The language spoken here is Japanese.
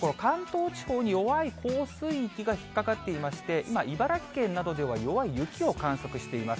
まず関東地方に弱い降水域が引っかかっていまして、茨城県などでは弱い雪を観測しています。